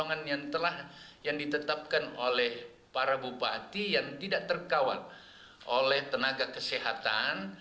bagaimana cara menghasilkan rph yang telah ditetapkan oleh para bupati yang tidak terkawal oleh tenaga kesehatan